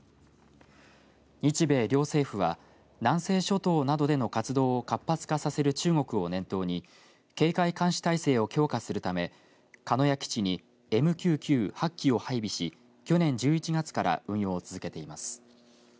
日米両政府は南西諸島などでの活動を活発化させる中国を念頭に警戒監視体制を強化するため鹿屋基地にＭＱ９８機を配備し去年１１月から運用を続けています。